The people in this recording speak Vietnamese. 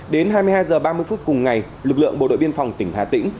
đến hai mươi hai h ba mươi phút cùng ngày lực lượng bộ đội biên phòng tỉnh hà tĩnh